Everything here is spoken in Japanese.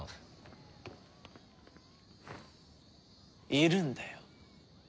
いるんだよ。